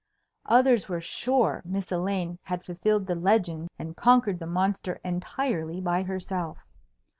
Others were sure Miss Elaine had fulfilled the legend and conquered the monster entirely by herself.